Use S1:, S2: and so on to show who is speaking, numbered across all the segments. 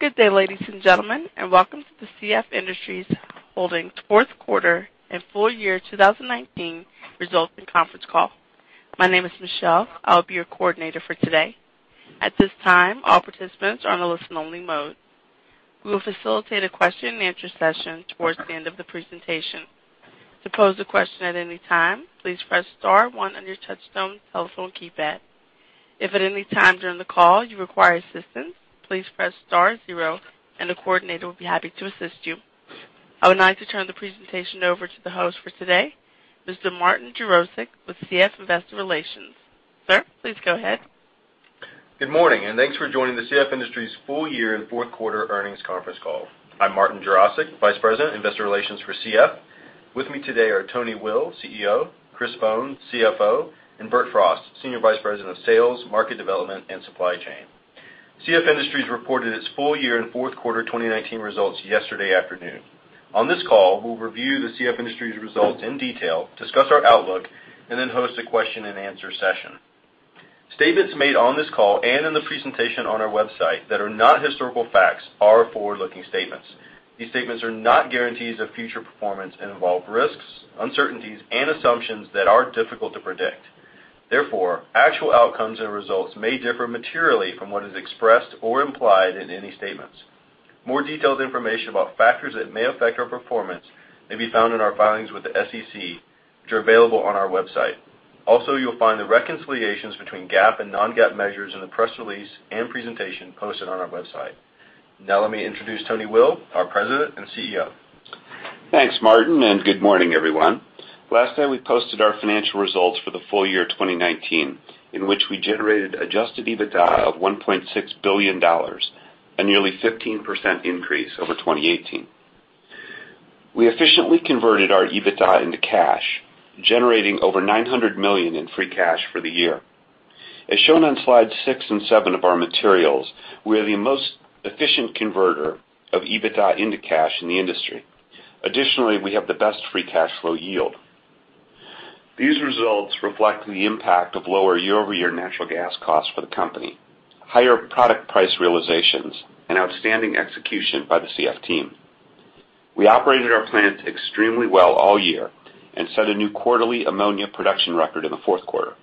S1: Good day, ladies and gentlemen, and welcome to the CF Industries Holdings Fourth Quarter and Full Year 2019 Results and Conference Call. My name is Michelle. I'll be your coordinator for today. At this time, all participants are on a listen only mode. We will facilitate a question and answer session towards the end of the presentation. To pose a question at any time, please press star one on your touchtone telephone keypad. If at any time during the call you require assistance, please press star zero and a coordinator will be happy to assist you. I would like to turn the presentation over to the host for today, Mr. Martin Jarosick with CF Investor Relations. Sir, please go ahead.
S2: Good morning, and thanks for joining the CF Industries full year and fourth quarter earnings conference call. I'm Martin Jarosick, Vice President, Investor Relations for CF. With me today are Tony Will, CEO, Chris Bohn, CFO, and Bert Frost, Senior Vice President of Sales, Market Development, and Supply Chain. CF Industries reported its full year and fourth quarter 2019 results yesterday afternoon. On this call, we'll review the CF Industries results in detail, discuss our outlook, and then host a question and answer session. Statements made on this call and in the presentation on our website that are not historical facts are forward-looking statements. These statements are not guarantees of future performance and involve risks, uncertainties, and assumptions that are difficult to predict. Therefore, actual outcomes and results may differ materially from what is expressed or implied in any statements. More detailed information about factors that may affect our performance may be found in our filings with the SEC, which are available on our website. Also, you'll find the reconciliations between GAAP and non-GAAP measures in the press release and presentation posted on our website. Now let me introduce Tony Will, our President and CEO.
S3: Thanks, Martin, and good morning, everyone. Last night, we posted our financial results for the full year 2019, in which we generated adjusted EBITDA of $1.6 billion, a nearly 15% increase over 2018. We efficiently converted our EBITDA into cash, generating over $900 million in free cash for the year. As shown on slides six and seven of our materials, we are the most efficient converter of EBITDA into cash in the industry. Additionally, we have the best free cash flow yield. These results reflect the impact of lower year-over-year natural gas costs for the company, higher product price realizations, and outstanding execution by the CF team. We operated our plants extremely well all year and set a new quarterly ammonia production record in the fourth quarter.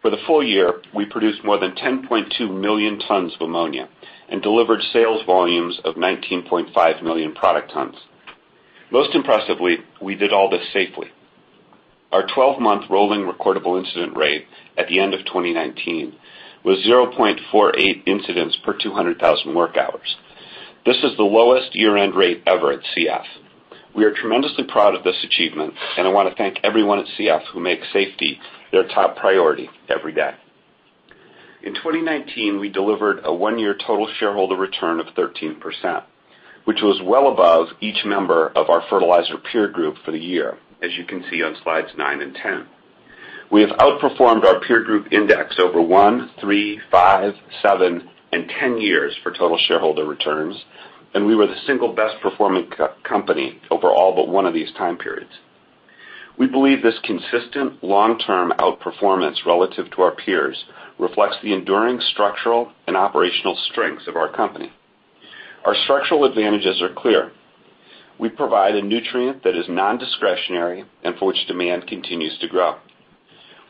S3: For the full year, we produced more than 10.2 million tons of ammonia and delivered sales volumes of 19.5 million product tons. Most impressively, we did all this safely. Our 12-month rolling recordable incident rate at the end of 2019 was 0.48 incidents per 200,000 work hours. This is the lowest year-end rate ever at CF. We are tremendously proud of this achievement, and I want to thank everyone at CF who makes safety their top priority every day. In 2019, we delivered a one-year total shareholder return of 13%, which was well above each member of our fertilizer peer group for the year, as you can see on slides nine and ten. We have outperformed our peer group index over one, three, five, seven, and 10 years for total shareholder returns, and we were the single best performing company over all but one of these time periods. We believe this consistent long-term outperformance relative to our peers reflects the enduring structural and operational strengths of our company. Our structural advantages are clear. We provide a nutrient that is non-discretionary and for which demand continues to grow.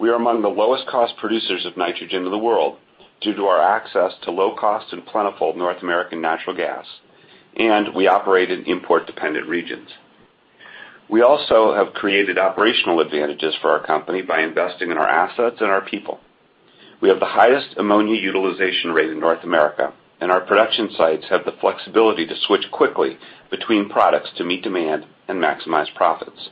S3: We are among the lowest cost producers of nitrogen in the world due to our access to low cost and plentiful North American natural gas, and we operate in import-dependent regions. We also have created operational advantages for our company by investing in our assets and our people. We have the highest ammonia utilization rate in North America, and our production sites have the flexibility to switch quickly between products to meet demand and maximize profits.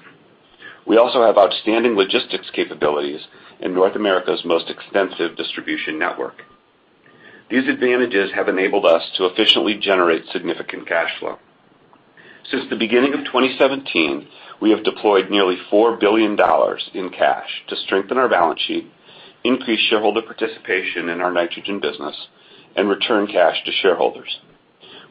S3: We also have outstanding logistics capabilities in North America's most extensive distribution network. These advantages have enabled us to efficiently generate significant cash flow. Since the beginning of 2017, we have deployed nearly $4 billion in cash to strengthen our balance sheet, increase shareholder participation in our nitrogen business, and return cash to shareholders.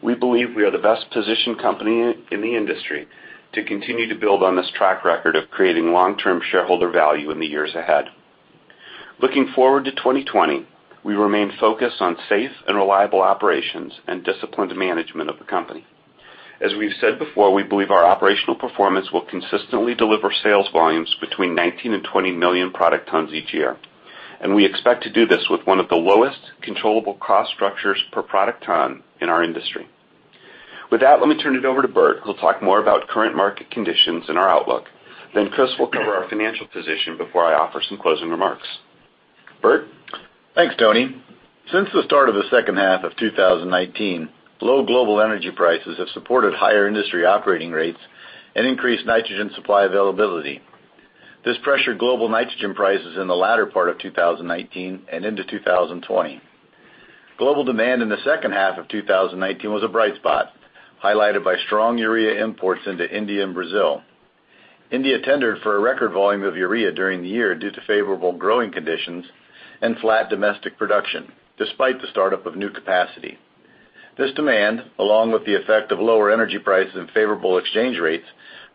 S3: We believe we are the best positioned company in the industry to continue to build on this track record of creating long-term shareholder value in the years ahead. Looking forward to 2020, we remain focused on safe and reliable operations and disciplined management of the company. As we've said before, we believe our operational performance will consistently deliver sales volumes between 19 million and 20 million product tons each year, and we expect to do this with one of the lowest controllable cost structures per product ton in our industry. With that, let me turn it over to Bert, who'll talk more about current market conditions and our outlook. Chris will cover our financial position before I offer some closing remarks. Bert?
S4: Thanks, Tony. Since the start of the second half of 2019, low global energy prices have supported higher industry operating rates and increased nitrogen supply availability. This pressured global nitrogen prices in the latter part of 2019 and into 2020. Global demand in the second half of 2019 was a bright spot, highlighted by strong urea imports into India and Brazil. India tendered for a record volume of urea during the year due to favorable growing conditions and flat domestic production, despite the startup of new capacity. This demand, along with the effect of lower energy prices and favorable exchange rates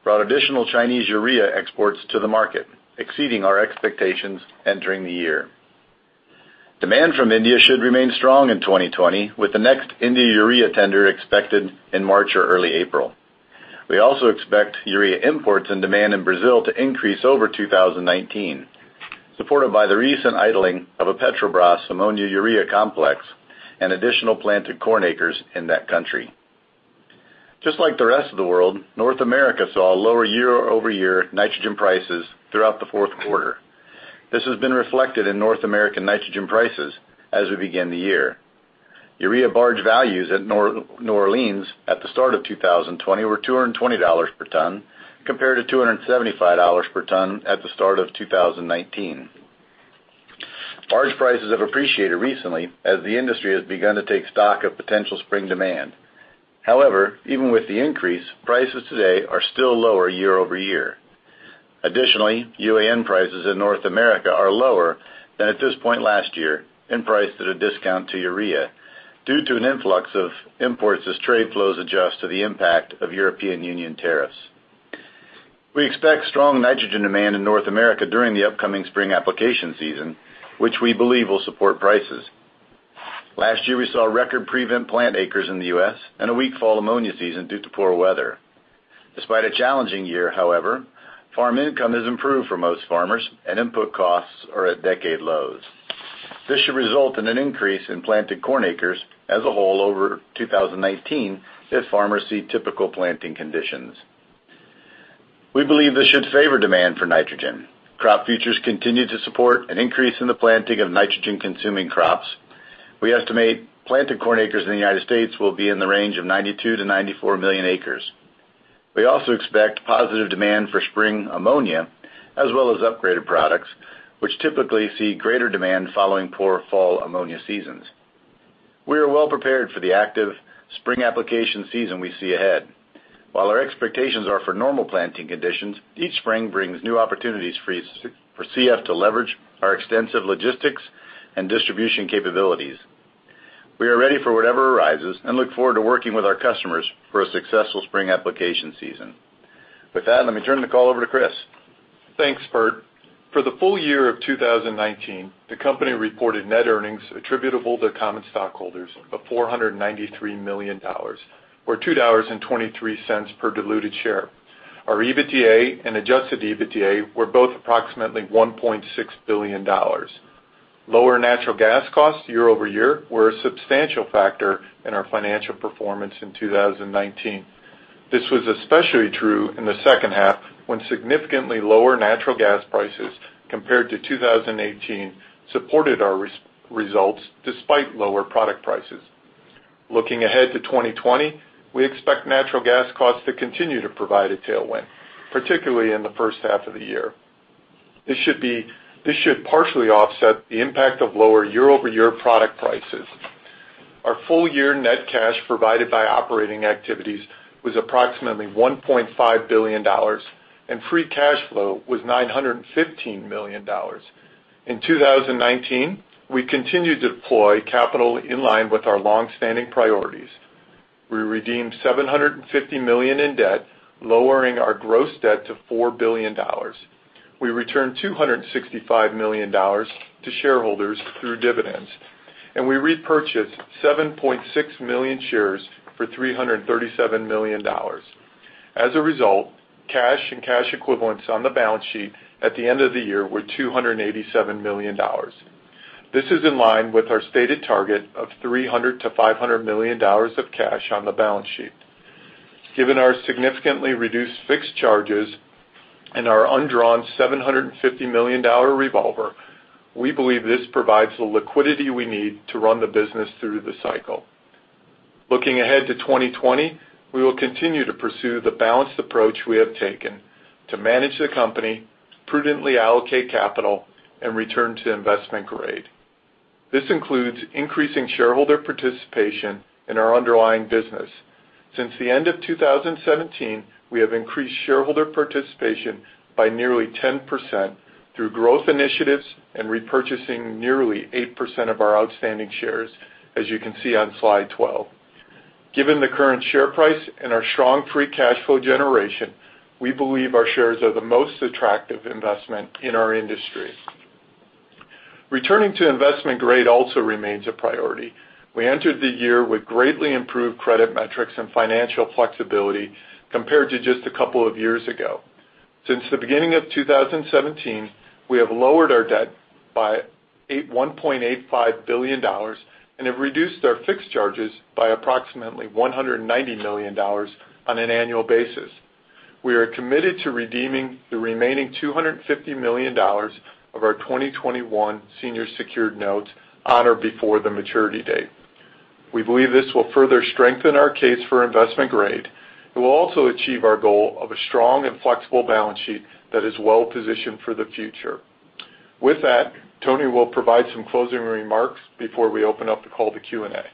S4: Brought additional Chinese urea exports to the market, exceeding our expectations entering the year. Demand from India should remain strong in 2020, with the next India urea tender expected in March or early April. We also expect urea imports and demand in Brazil to increase over 2019, supported by the recent idling of a Petrobras ammonia urea complex and additional planted corn acres in that country. Just like the rest of the world, North America saw lower year-over-year nitrogen prices throughout the fourth quarter. This has been reflected in North American nitrogen prices as we begin the year. Urea barge values at New Orleans at the start of 2020 were $220 per ton, compared to $275 per ton at the start of 2019. Barge prices have appreciated recently as the industry has begun to take stock of potential spring demand. However, even with the increase, prices today are still lower year-over-year. Additionally, UAN prices in North America are lower than at this point last year and priced at a discount to urea due to an influx of imports as trade flows adjust to the impact of European Union tariffs. We expect strong nitrogen demand in North America during the upcoming spring application season, which we believe will support prices. Last year, we saw record prevent plant acres in the U.S. and a weak fall ammonia season due to poor weather. Despite a challenging year, however, farm income has improved for most farmers and input costs are at decade lows. This should result in an increase in planted corn acres as a whole over 2019 if farmers see typical planting conditions. We believe this should favor demand for nitrogen. Crop futures continue to support an increase in the planting of nitrogen-consuming crops. We estimate planted corn acres in the U.S. will be in the range of 92 million-94 million acres. We also expect positive demand for spring ammonia as well as upgraded products, which typically see greater demand following poor fall ammonia seasons. We are well-prepared for the active spring application season we see ahead. While our expectations are for normal planting conditions, each spring brings new opportunities for CF to leverage our extensive logistics and distribution capabilities. We are ready for whatever arises and look forward to working with our customers for a successful spring application season. With that, let me turn the call over to Chris.
S5: Thanks, Bert. For the full year of 2019, the company reported net earnings attributable to common stockholders of $493 million, or $2.23 per diluted share. Our EBITDA and adjusted EBITDA were both approximately $1.6 billion. Lower natural gas costs year-over-year were a substantial factor in our financial performance in 2019. This was especially true in the second half, when significantly lower natural gas prices compared to 2018 supported our results, despite lower product prices. Looking ahead to 2020, we expect natural gas costs to continue to provide a tailwind, particularly in the first half of the year. This should partially offset the impact of lower year-over-year product prices. Our full-year net cash provided by operating activities was approximately $1.5 billion, and free cash flow was $915 million. In 2019, we continued to deploy capital in line with our long-standing priorities. We redeemed $750 million in debt, lowering our gross debt to $4 billion. We returned $265 million to shareholders through dividends, and we repurchased 7.6 million shares for $337 million. As a result, cash and cash equivalents on the balance sheet at the end of the year were $287 million. This is in line with our stated target of $300 million to $500 million of cash on the balance sheet. Given our significantly reduced fixed charges and our undrawn $750 million revolver, we believe this provides the liquidity we need to run the business through the cycle. Looking ahead to 2020, we will continue to pursue the balanced approach we have taken to manage the company, prudently allocate capital, and return to investment grade. This includes increasing shareholder participation in our underlying business. Since the end of 2017, we have increased shareholder participation by nearly 10% through growth initiatives and repurchasing nearly 8% of our outstanding shares, as you can see on slide 12. Given the current share price and our strong free cash flow generation, we believe our shares are the most attractive investment in our industry. Returning to investment grade also remains a priority. We entered the year with greatly improved credit metrics and financial flexibility compared to just a couple of years ago. Since the beginning of 2017, we have lowered our debt by $1.85 billion and have reduced our fixed charges by approximately $190 million on an annual basis. We are committed to redeeming the remaining $250 million of our 2021 senior secured notes on or before the maturity date. We believe this will further strengthen our case for investment grade. It will also achieve our goal of a strong and flexible balance sheet that is well-positioned for the future. With that, Tony Will will provide some closing remarks before we open up the call to Q&A.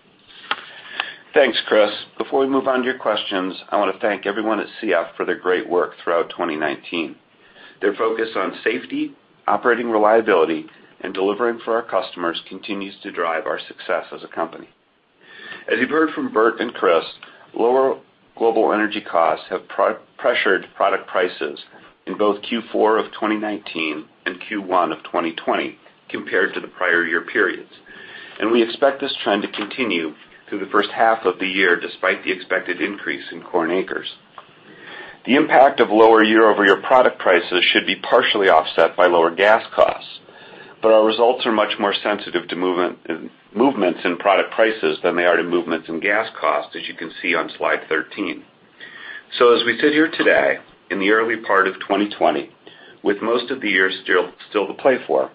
S3: Thanks, Chris. Before we move on to your questions, I want to thank everyone at CF for their great work throughout 2019. Their focus on safety, operating reliability, and delivering for our customers continues to drive our success as a company. As you've heard from Bert and Chris, lower global energy costs have pressured product prices in both Q4 of 2019 and Q1 of 2020 compared to the prior year periods. We expect this trend to continue through the first half of the year, despite the expected increase in corn acres. The impact of lower year-over-year product prices should be partially offset by lower gas costs. Our results are much more sensitive to movements in product prices than they are to movements in gas costs, as you can see on slide 13. As we sit here today in the early part of 2020, with most of the year still to play for,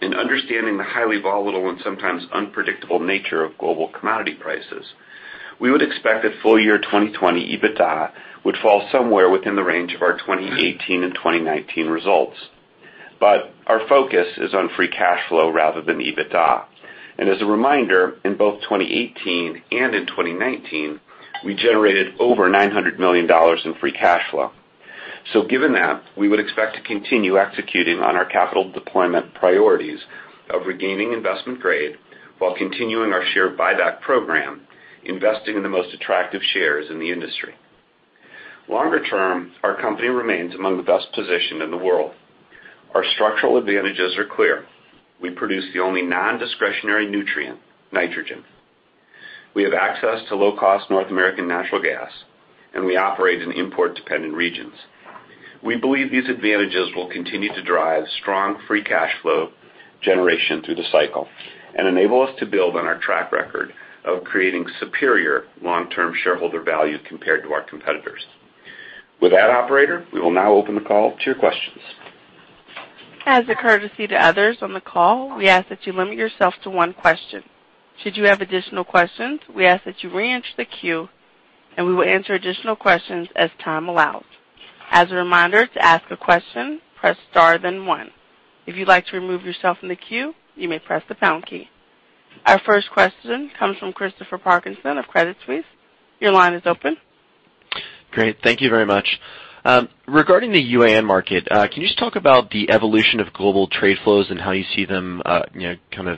S3: and understanding the highly volatile and sometimes unpredictable nature of global commodity prices, we would expect that full year 2020 EBITDA would fall somewhere within the range of our 2018 and 2019 results. Our focus is on free cash flow rather than EBITDA. As a reminder, in both 2018 and in 2019, we generated over $900 million in free cash flow. Given that, we would expect to continue executing on our capital deployment priorities of regaining investment grade while continuing our share buyback program, investing in the most attractive shares in the industry. Longer term, our company remains among the best positioned in the world. Our structural advantages are clear. We produce the only non-discretionary nutrient, nitrogen. We have access to low-cost North American natural gas, and we operate in import-dependent regions. We believe these advantages will continue to drive strong free cash flow generation through the cycle and enable us to build on our track record of creating superior long-term shareholder value compared to our competitors. With that, operator, we will now open the call to your questions.
S1: As a courtesy to others on the call, we ask that you limit yourself to one question. Should you have additional questions, we ask that you reenter the queue and we will answer additional questions as time allows. As a reminder, to ask a question, press star then one. If you'd like to remove yourself from the queue, you may press the pound key. Our first question comes from Christopher Parkinson of Credit Suisse. Your line is open.
S6: Great. Thank you very much. Regarding the UAN market, can you just talk about the evolution of global trade flows and how you see them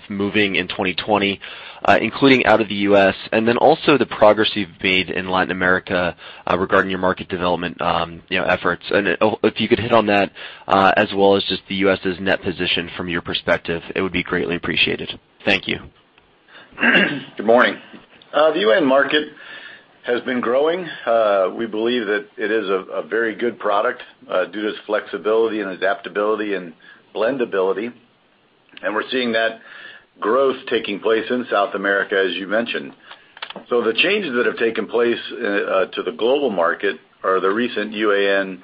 S6: moving in 2020, including out of the U.S.? Also the progress you've made in Latin America regarding your market development efforts. If you could hit on that as well as just the U.S. net position from your perspective, it would be greatly appreciated. Thank you.
S4: Good morning. The UAN market has been growing. We believe that it is a very good product due to its flexibility and adaptability and blendability. We're seeing that growth taking place in South America, as you mentioned. The changes that have taken place to the global market are the recent UAN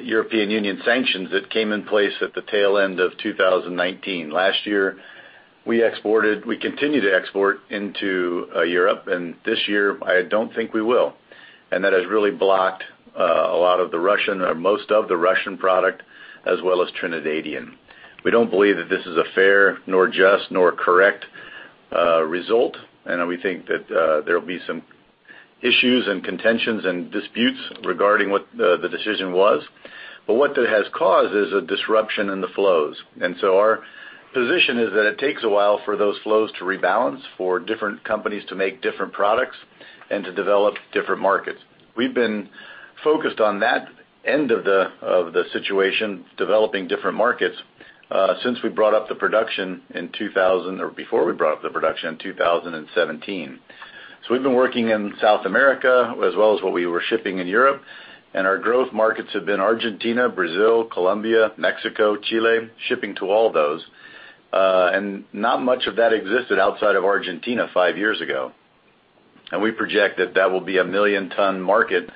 S4: European Union sanctions that came in place at the tail end of 2019. Last year, we continued to export into Europe, and this year I don't think we will. That has really blocked most of the Russian product as well as Trinidadian. We don't believe that this is a fair nor just nor correct result, and we think that there'll be some issues and contentions and disputes regarding what the decision was. What that has caused is a disruption in the flows. Our position is that it takes a while for those flows to rebalance for different companies to make different products and to develop different markets. We've been focused on that end of the situation, developing different markets since we brought up the production in 2000 or before we brought up the production in 2017. We've been working in South America as well as what we were shipping in Europe, and our growth markets have been Argentina, Brazil, Colombia, Mexico, Chile, shipping to all those. Not much of that existed outside of Argentina five years ago. We project that that will be a 1 million-ton market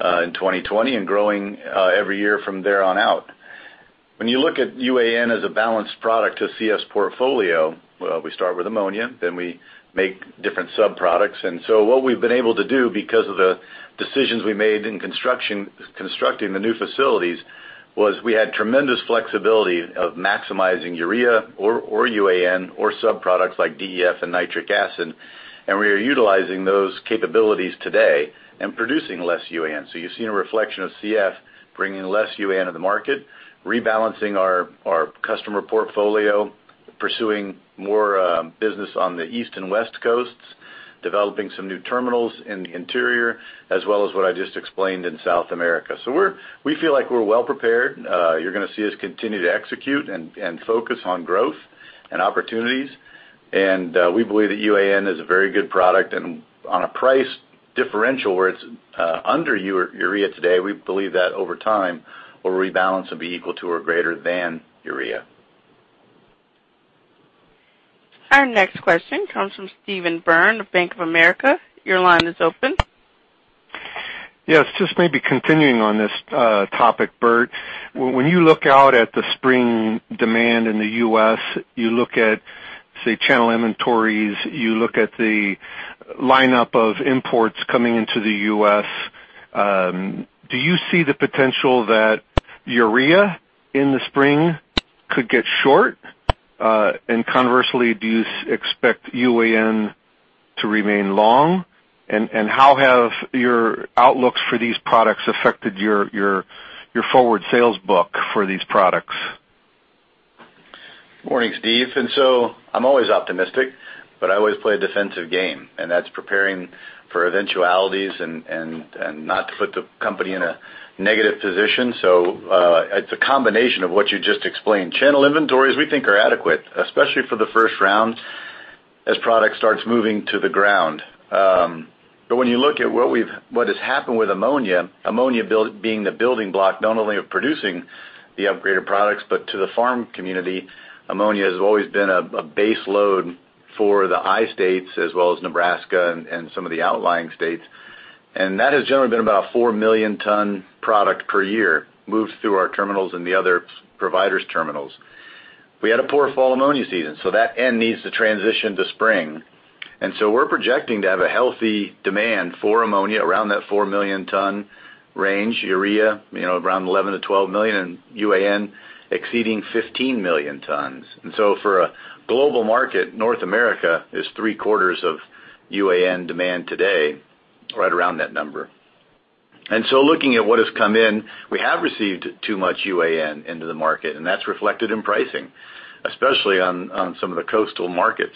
S4: in 2020 and growing every year from there on out. When you look at UAN as a balanced product to CF's portfolio, well, we start with ammonia, then we make different sub-products. What we've been able to do because of the decisions we made in constructing the new facilities was we had tremendous flexibility of maximizing urea or UAN or sub-products like DEF and nitric acid. We are utilizing those capabilities today and producing less UAN. You've seen a reflection of CF bringing less UAN to the market, rebalancing our customer portfolio, pursuing more business on the East and West coasts, developing some new terminals in the interior, as well as what I just explained in South America. We feel like we're well prepared. You're going to see us continue to execute and focus on growth and opportunities. We believe that UAN is a very good product. On a price differential where it's under urea today, we believe that over time will rebalance and be equal to or greater than urea.
S1: Our next question comes from Stephen Byrne of Bank of America. Your line is open.
S7: Yes, just maybe continuing on this topic, Bert. When you look out at the spring demand in the U.S., you look at, say, channel inventories, you look at the lineup of imports coming into the U.S., do you see the potential that urea in the spring could get short? Conversely, do you expect UAN to remain long? How have your outlooks for these products affected your forward sales book for these products?
S4: Morning, Steve. I'm always optimistic, but I always play a defensive game, and that's preparing for eventualities and not to put the company in a negative position. It's a combination of what you just explained. Channel inventories we think are adequate, especially for the first round as product starts moving to the ground. When you look at what has happened with ammonia being the building block not only of producing the upgraded products, but to the farm community, ammonia has always been a base load for the I states as well as Nebraska and some of the outlying states. That has generally been about 4 million ton product per year moved through our terminals and the other providers' terminals. We had a poor fall ammonia season, that end needs to transition to spring. We're projecting to have a healthy demand for ammonia around that 4 million ton range, urea around 11-12 million, and UAN exceeding 15 million tons. For a global market, North America is three-quarters of UAN demand today, right around that number. Looking at what has come in, we have received too much UAN into the market, and that's reflected in pricing, especially on some of the coastal markets.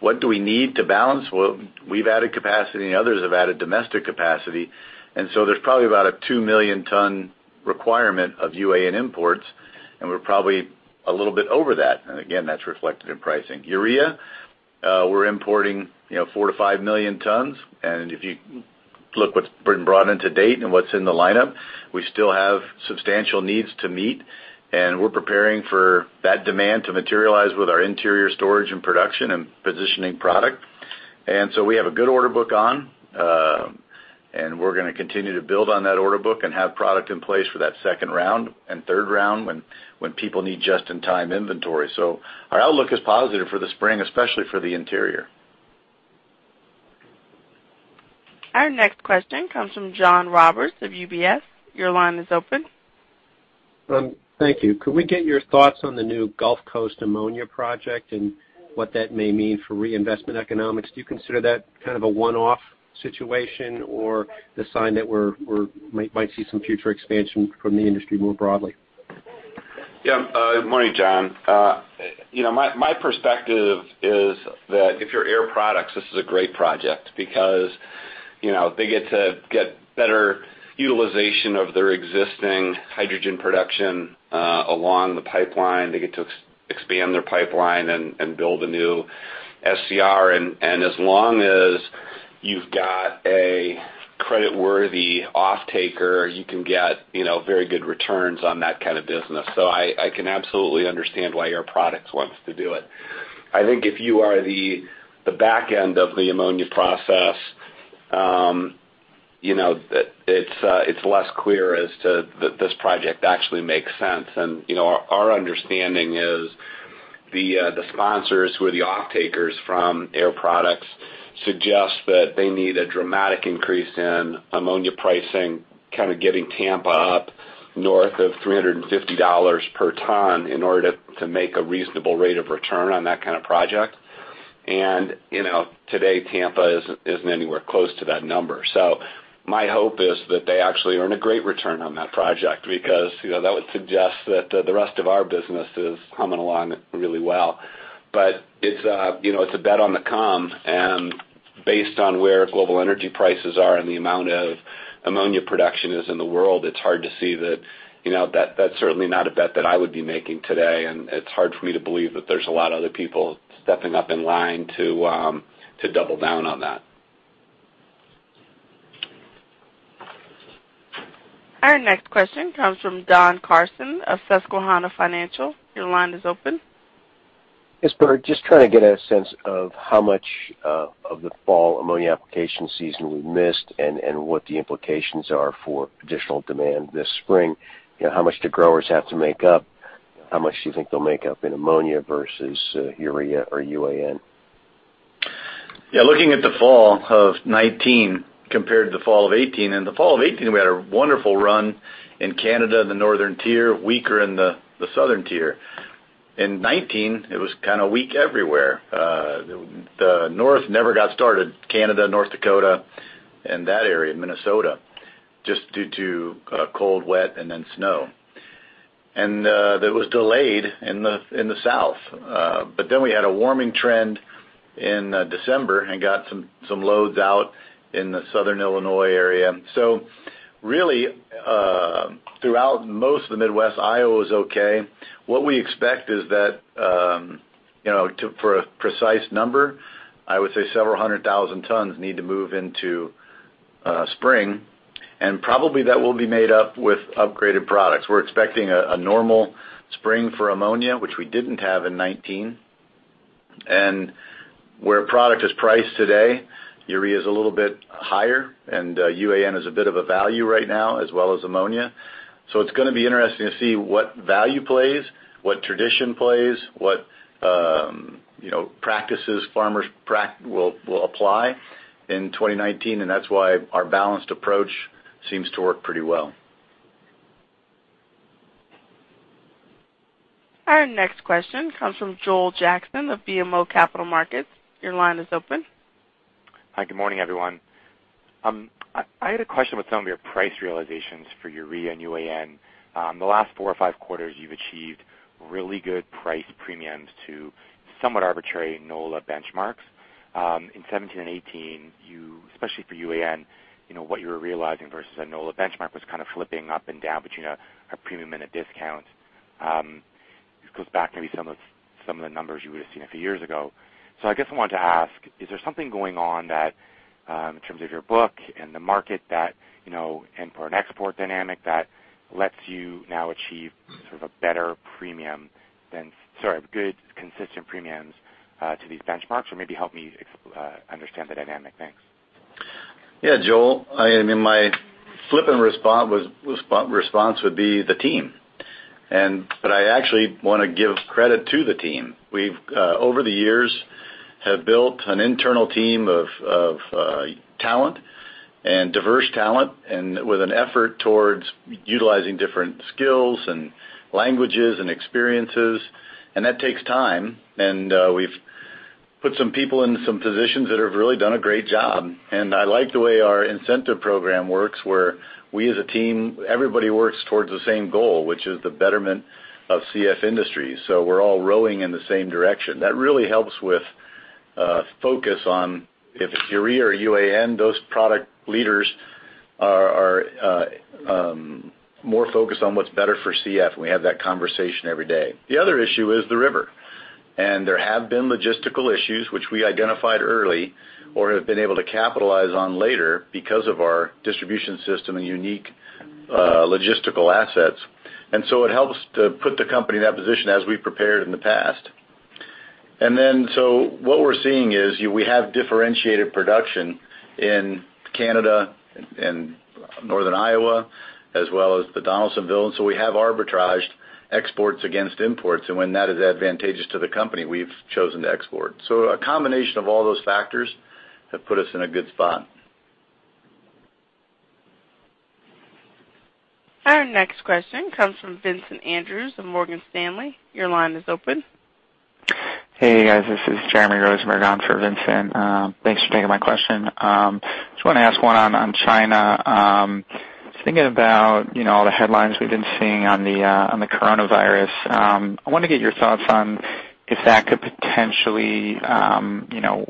S4: What do we need to balance? Well, we've added capacity and others have added domestic capacity, and so there's probably about a 2 million ton requirement of UAN imports, and we're probably a little bit over that. Again, that's reflected in pricing. Urea, we're importing 4 to 5 million tons. If you look what's been brought in to date and what's in the lineup, we still have substantial needs to meet, and we're preparing for that demand to materialize with our interior storage and production and positioning product. We have a good order book on, and we're going to continue to build on that order book and have product in place for that second round and third round when people need just-in-time inventory. Our outlook is positive for the spring, especially for the interior.
S1: Our next question comes from John Roberts of UBS. Your line is open.
S8: Thank you. Could we get your thoughts on the new Gulf Coast ammonia project and what that may mean for reinvestment economics? Do you consider that kind of a one-off situation or the sign that we might see some future expansion from the industry more broadly?
S3: Yeah. Morning, John. My perspective is that if you're Air Products, this is a great project because they get to get better utilization of their existing hydrogen production along the pipeline. They get to expand their pipeline and build a new SCR. As long as you've got a creditworthy offtaker, you can get very good returns on that kind of business. I can absolutely understand why Air Products wants to do it. I think if you are the back end of the ammonia process, it's less clear as to this project actually makes sense. Our understanding is the sponsors who are the offtakers from Air Products suggest that they need a dramatic increase in ammonia pricing, kind of getting Tampa up north of $350 per ton in order to make a reasonable rate of return on that kind of project. Today, Tampa isn't anywhere close to that number. My hope is that they actually earn a great return on that project because that would suggest that the rest of our business is humming along really well. It's a bet on the come, and based on where global energy prices are and the amount of ammonia production is in the world, it's hard to see that. That's certainly not a bet that I would be making today, and it's hard for me to believe that there's a lot of other people stepping up in line to double down on that.
S1: Our next question comes from Don Carson of Susquehanna Financial. Your line is open.
S9: Yes, Bert, just trying to get a sense of how much of the fall ammonia application season we missed and what the implications are for additional demand this spring. How much do growers have to make up? How much do you think they'll make up in ammonia versus urea or UAN?
S4: Yeah, looking at the fall of 2019 compared to the fall of 2018. In the fall of 2018, we had a wonderful run in Canada in the northern tier, weaker in the southern tier. In 2019, it was kind of weak everywhere. The north never got started, Canada, North Dakota and that area, Minnesota, just due to cold, wet, and then snow. It was delayed in the south. We had a warming trend in December and got some loads out in the southern Illinois area. Really, throughout most of the Midwest, Iowa is okay. What we expect is that, for a precise number, I would say several hundred thousand tons need to move into spring, and probably that will be made up with upgraded products. We're expecting a normal spring for ammonia, which we didn't have in 2019. Where product is priced today, urea is a little bit higher, and UAN is a bit of a value right now, as well as ammonia. It's going to be interesting to see what value plays, what tradition plays, what practices farmers will apply in 2019, and that's why our balanced approach seems to work pretty well.
S1: Our next question comes from Joel Jackson of BMO Capital Markets. Your line is open.
S10: Hi, good morning, everyone. I had a question about some of your price realizations for urea and UAN. The last four or five quarters you've achieved really good price premiums to somewhat arbitrary NOLA benchmarks. In 2017 and 2018, especially for UAN, what you were realizing versus a NOLA benchmark was kind of flipping up and down between a premium and a discount. This goes back maybe some of the numbers you would've seen a few years ago. I guess I wanted to ask, is there something going on that, in terms of your book and the market that import and export dynamic that lets you now achieve sort of a better premium, good, consistent premiums to these benchmarks or maybe help me understand the dynamic? Thanks.
S3: Yeah, Joel, my flippant response would be the team. I actually want to give credit to the team. We've over the years, have built an internal team of talent and diverse talent and with an effort towards utilizing different skills and languages and experiences, and that takes time. We've put some people in some positions that have really done a great job, and I like the way our incentive program works, where we as a team, everybody works towards the same goal, which is the betterment of CF Industries. We're all rowing in the same direction. That really helps with focus on if it's urea or UAN, those product leaders are more focused on what's better for CF, and we have that conversation every day. The other issue is the river, and there have been logistical issues which we identified early or have been able to capitalize on later because of our distribution system and unique logistical assets. It helps to put the company in that position as we've prepared in the past. What we're seeing is we have differentiated production in Canada and Northern Iowa, as well as the Donaldsonville, and so we have arbitraged exports against imports. When that is advantageous to the company, we've chosen to export. A combination of all those factors have put us in a good spot.
S1: Our next question comes from Vincent Andrews of Morgan Stanley. Your line is open.
S11: Hey, guys, this is Jeremy Rosenberg on for Vincent. Thanks for taking my question. Just want to ask one on China. Just thinking about the headlines we've been seeing on the coronavirus. I want to get your thoughts on if that could potentially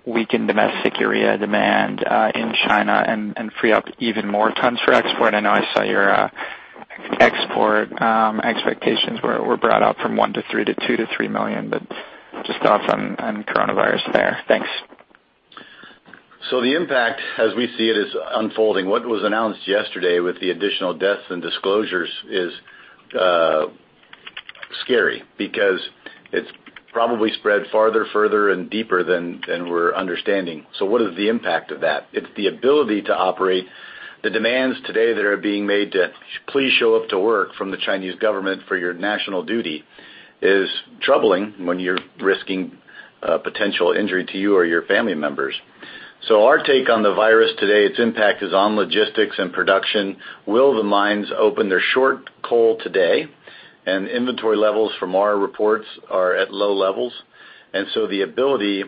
S11: weaken domestic urea demand in China and free up even more tons for export. I know I saw your export expectations were brought up from one to three to two to three million, but just thoughts on coronavirus there. Thanks.
S4: The impact as we see it is unfolding. What was announced yesterday with the additional deaths and disclosures is scary because it's probably spread farther, further, and deeper than we're understanding. What is the impact of that? It's the ability to operate the demands today that are being made to please show up to work from the Chinese government for your national duty is troubling when you're risking potential injury to you or your family members. Our take on the virus today, its impact is on logistics and production. Will the mines open? They're short coal today, and inventory levels from our reports are at low levels. The ability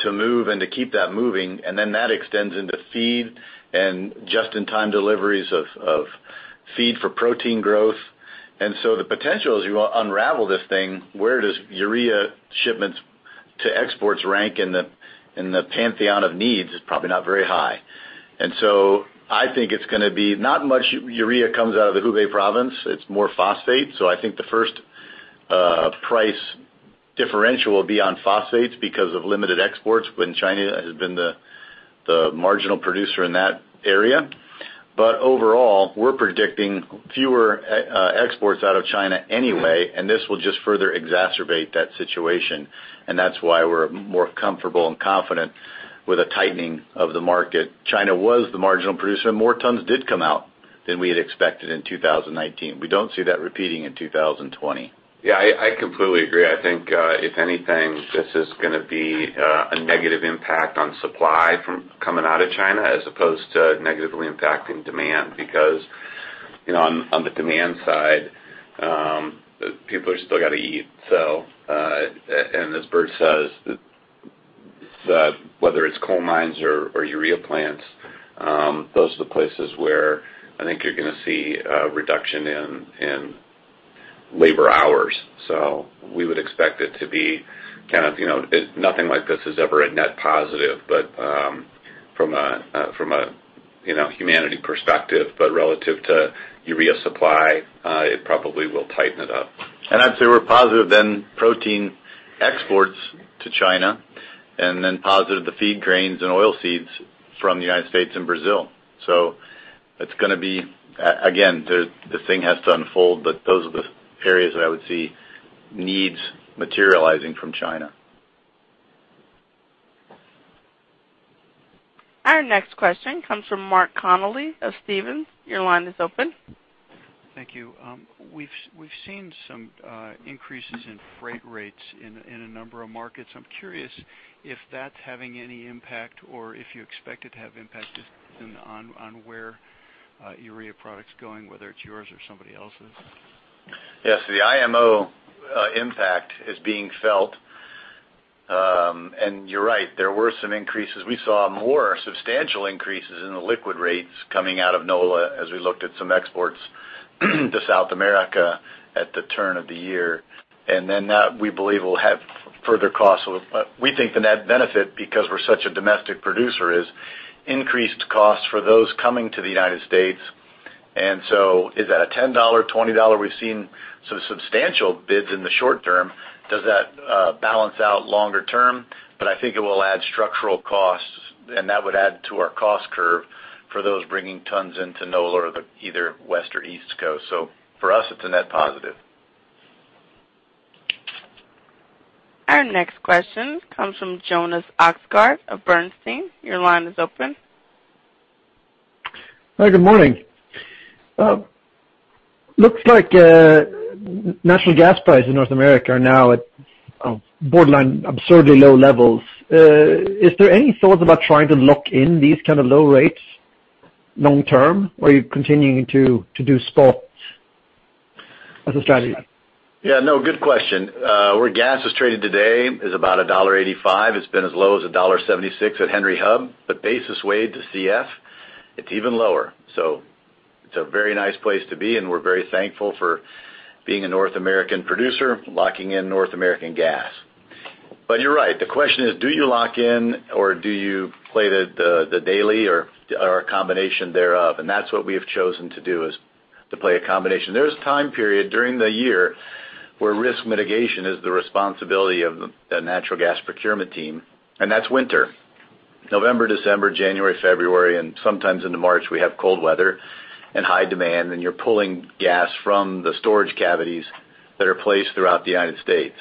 S4: to move and to keep that moving, and then that extends into feed and just-in-time deliveries of feed for protein growth. The potential, as you unravel this thing, where does urea shipments to exports rank in the pantheon of needs is probably not very high. I think it's going to be not much urea comes out of the Hubei province, it's more phosphate. I think the first price differential will be on phosphates because of limited exports when China has been the marginal producer in that area. Overall, we're predicting fewer exports out of China anyway, and this will just further exacerbate that situation, and that's why we're more comfortable and confident with a tightening of the market. China was the marginal producer, and more tons did come out than we had expected in 2019. We don't see that repeating in 2020.
S3: Yeah, I completely agree. I think, if anything, this is gonna be a negative impact on supply from coming out of China as opposed to negatively impacting demand. On the demand side, people are still gonna eat. As Bert says, whether it's coal mines or urea plants, those are the places where I think you're gonna see a reduction in labor hours. So We would expect it to be kind of Nothing like this is ever a net positive, from a humanity perspective. Relative to urea supply, it probably will tighten it up.
S4: I'd say we're positive, then protein exports to China, and then positive the feed grains and oil seeds from the U.S. and Brazil. It's going to be, again, this thing has to unfold, but those are the areas that I would see needs materializing from China.
S1: Our next question comes from Mark Connelly of Stephens. Your line is open.
S12: Thank you. We've seen some increases in freight rates in a number of markets. I'm curious if that's having any impact or if you expect it to have impact just in on where urea products going, whether it's yours or somebody else's.
S3: Yes, the IMO impact is being felt. You're right, there were some increases. We saw more substantial increases in the liquid rates coming out of NOLA as we looked at some exports to South America at the turn of the year. That, we believe, will have further costs. We think the net benefit, because we're such a domestic producer, is increased costs for those coming to the United States. Is that a $10-$20? We've seen some substantial bids in the short term. Does that balance out longer term? I think it will add structural costs, and that would add to our cost curve for those bringing tons into NOLA or either west or east coast. For us, it's a net positive.
S1: Our next question comes from Jonas Oxgaard of Bernstein. Your line is open.
S13: Hi, good morning. Looks like natural gas prices in North America are now at borderline absurdly low levels. Is there any thoughts about trying to lock in these kind of low rates long term, or are you continuing to do spot as a strategy?
S4: Yeah, no, good question. Where gas is traded today is about $1.85. It's been as low as $1.76 at Henry Hub. Basis weighed to CF, it's even lower. It's a very nice place to be, and we're very thankful for being a North American producer locking in North American gas. You're right, the question is, do you lock in or do you play the daily or a combination thereof? That's what we have chosen to do, is to play a combination. There is a time period during the year where risk mitigation is the responsibility of the natural gas procurement team, and that's winter. November, December, January, February, and sometimes into March, we have cold weather and high demand, and you're pulling gas from the storage cavities that are placed throughout the United States.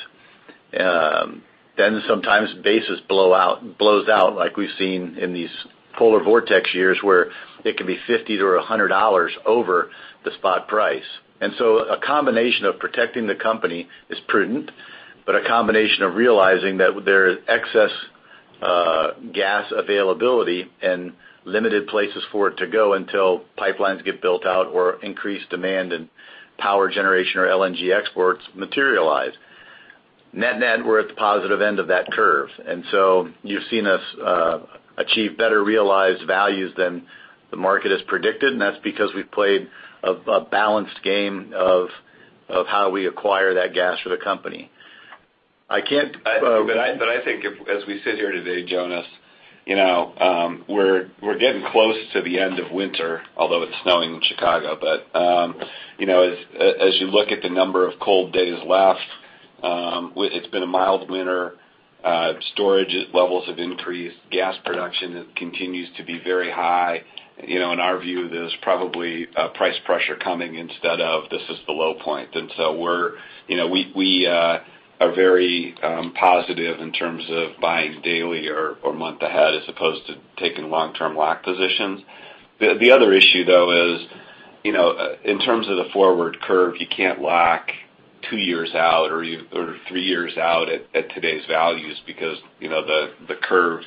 S4: Sometimes basis blows out like we've seen in these polar vortex years, where it can be $50-$100 over the spot price. A combination of protecting the company is prudent, but a combination of realizing that there is excess gas availability and limited places for it to go until pipelines get built out or increased demand and power generation or LNG exports materialize. Net-net, we're at the positive end of that curve. You've seen us achieve better realized values than the market has predicted, and that's because we've played a balanced game of how we acquire that gas for the company.
S3: I think as we sit here today, Jonas, we're getting close to the end of winter, although it's snowing in Chicago. As you look at the number of cold days left, it's been a mild winter. Storage levels have increased. Gas production continues to be very high. In our view, there's probably price pressure coming instead of this is the low point. We are very positive in terms of buying daily or month ahead as opposed to taking long-term lock positions. The other issue, though, is in terms of the forward curve, you can't lock two years out or three years out at today's values because the curve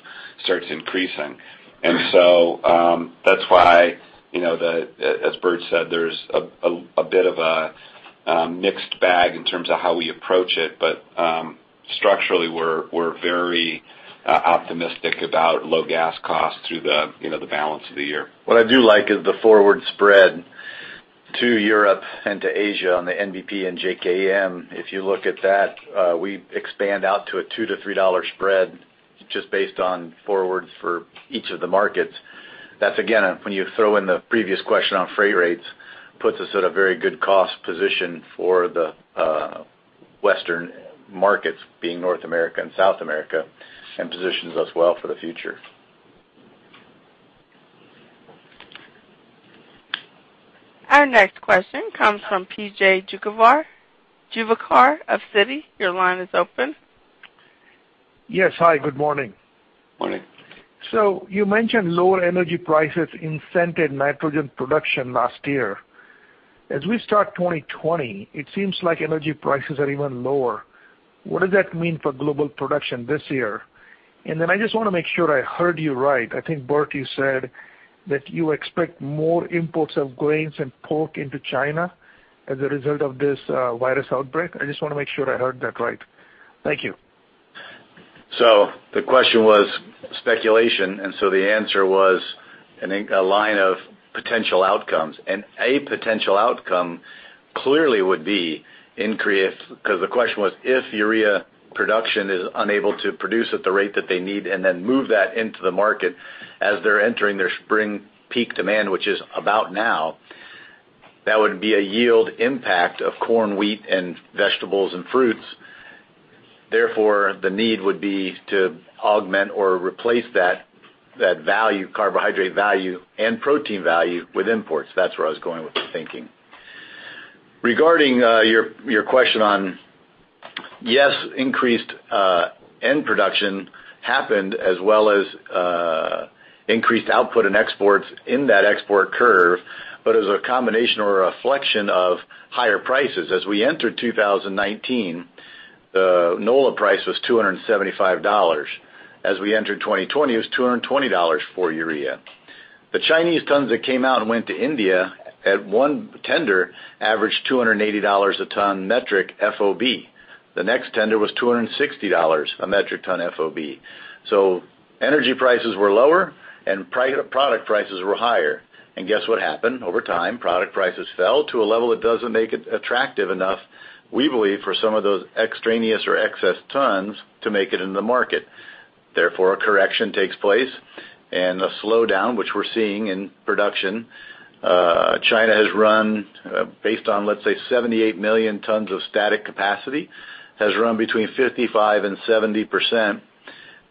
S3: starts increasing. That's why, as Bert said, there's a bit of a mixed bag in terms of how we approach it. Structurally, we're very optimistic about low gas costs through the balance of the year.
S4: What I do like is the forward spread to Europe and to Asia on the NBP and JKM. If you look at that, we expand out to a $2-$3 spread just based on forwards for each of the markets. That's, again, when you throw in the previous question on freight rates, puts us at a very good cost position for the Western markets, being North America and South America, and positions us well for the future.
S1: Our next question comes from P.J. Juvekar of Citi. Your line is open.
S14: Yes. Hi, good morning.
S4: Morning.
S14: You mentioned lower energy prices incented nitrogen production last year. As we start 2020, it seems like energy prices are even lower. What does that mean for global production this year? I just want to make sure I heard you right. I think, Bert, you said that you expect more imports of grains and pork into China as a result of this coronavirus outbreak. I just want to make sure I heard that right. Thank you.
S4: The question was speculation, the answer was a line of potential outcomes. A potential outcome clearly would be because the question was, if urea production is unable to produce at the rate that they need and then move that into the market as they're entering their spring peak demand, which is about now. That would be a yield impact of corn, wheat, and vegetables and fruits. The need would be to augment or replace that carbohydrate value and protein value with imports. That's where I was going with the thinking. Regarding your question on, yes, increased end production happened as well as increased output in exports in that export curve, as a combination or a reflection of higher prices. As we entered 2019, the NOLA price was $275. As we entered 2020, it was $220 for urea. The Chinese tons that came out and went to India at one tender averaged $280 a ton metric FOB. The next tender was $260 a metric ton FOB. Energy prices were lower and product prices were higher. Guess what happened? Over time, product prices fell to a level that doesn't make it attractive enough, we believe, for some of those extraneous or excess tons to make it into the market. Therefore, a correction takes place and a slowdown, which we're seeing in production. China has run based on, let's say, 78 million tons of static capacity. Has run between 55% and 70%,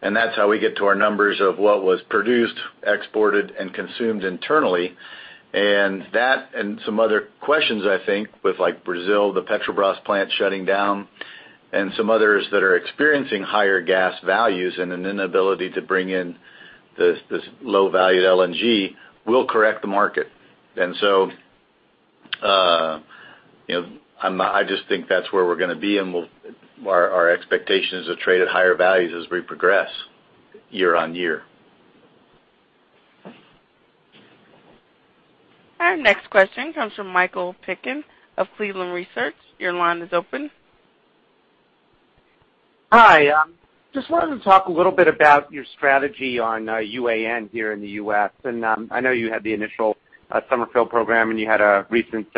S4: and that's how we get to our numbers of what was produced, exported, and consumed internally. That and some other questions, I think, with Brazil, the Petrobras plant shutting down, and some others that are experiencing higher gas values and an inability to bring in this low-valued LNG will correct the market. I just think that's where we're going to be, and our expectation is to trade at higher values as we progress year-over-year.
S1: Our next question comes from Michael Piken of Cleveland Research. Your line is open.
S15: Hi. Just wanted to talk a little bit about your strategy on UAN here in the U.S. I know you had the initial summer fill program, and you had a recent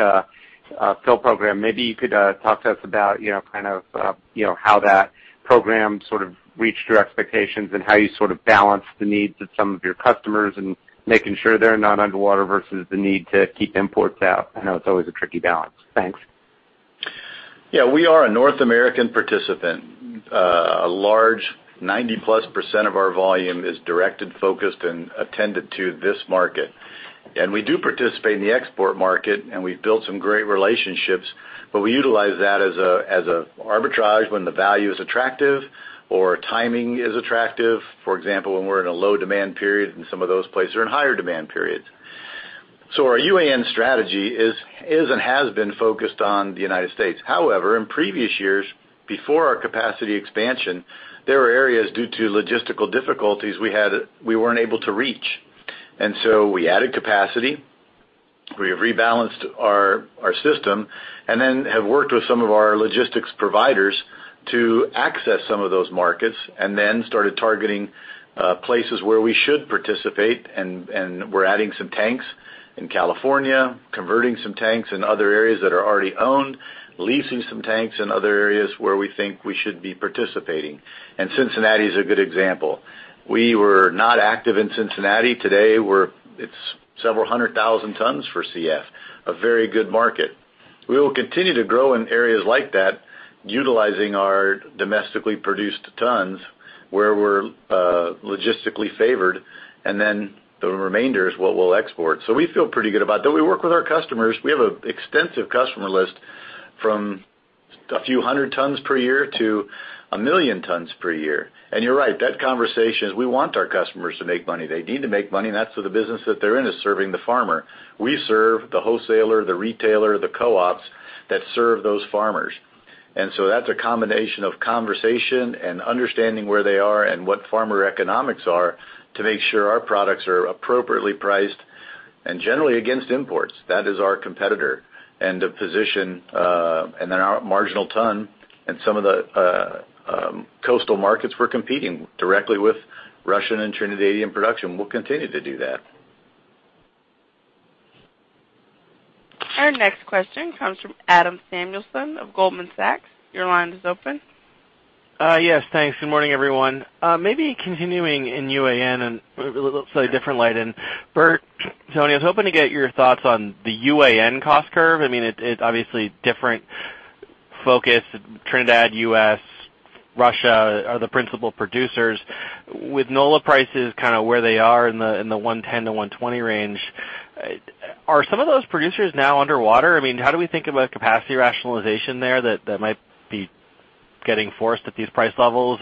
S15: fill program. Maybe you could talk to us about how that program sort of reached your expectations and how you sort of balanced the needs of some of your customers and making sure they're not underwater versus the need to keep imports out. I know it's always a tricky balance. Thanks.
S4: Yeah. We are a North American participant. A large 90-plus percent of our volume is directed, focused, and attended to this market. We do participate in the export market, and we've built some great relationships, but we utilize that as an arbitrage when the value is attractive or timing is attractive. For example, when we're in a low-demand period, and some of those places are in higher demand periods. Our UAN strategy is and has been focused on the United States. However, in previous years before our capacity expansion, there were areas due to logistical difficulties we weren't able to reach. We added capacity, we have rebalanced our system, and then have worked with some of our logistics providers to access some of those markets and then started targeting places where we should participate. We're adding some tanks in California, converting some tanks in other areas that are already owned, leasing some tanks in other areas where we think we should be participating. Cincinnati is a good example. We were not active in Cincinnati. Today, it's several hundred thousand tons for CF, a very good market. We will continue to grow in areas like that, utilizing our domestically produced tons where we're logistically favored, the remainder is what we'll export. We feel pretty good about that. We work with our customers. We have an extensive customer list from a few hundred tons per year to 1 million tons per year. You're right, that conversation is we want our customers to make money. They need to make money, and that's the business that they're in, is serving the farmer. We serve the wholesaler, the retailer, the co-ops that serve those farmers. That's a combination of conversation and understanding where they are and what farmer economics are to make sure our products are appropriately priced and generally against imports. That is our competitor. To position in our marginal ton in some of the coastal markets we're competing directly with Russian and Trinidadian production. We'll continue to do that.
S1: Our next question comes from Adam Samuelson of Goldman Sachs. Your line is open.
S16: Yes, thanks. Good morning, everyone. Maybe continuing in UAN in a slightly different light. Bert, Tony, I was hoping to get your thoughts on the UAN cost curve. It's obviously different focus. Trinidad, U.S., Russia are the principal producers. With NOLA prices kind of where they are in the $110-$120 range, are some of those producers now underwater? How do we think about capacity rationalization there that might be getting forced at these price levels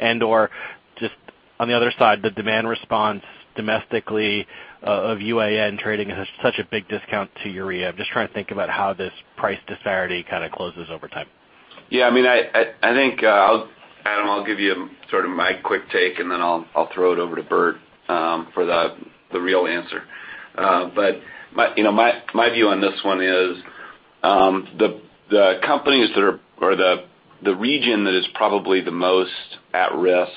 S16: and/or just on the other side, the demand response domestically of UAN trading at such a big discount to urea? I'm just trying to think about how this price disparity kind of closes over time.
S3: Yeah. Adam, I'll give you sort of my quick take, and then I'll throw it over to Bert for the real answer. My view on this one is the companies or the region that is probably the most at risk